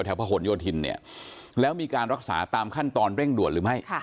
พระหลโยธินเนี่ยแล้วมีการรักษาตามขั้นตอนเร่งด่วนหรือไม่